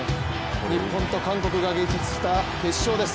日本と韓国が激突した決勝です。